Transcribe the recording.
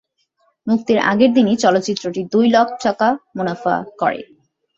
মুক্তির আগের দিনই চলচ্চিত্রটি দুই লাখ টাকা মুনাফা করে।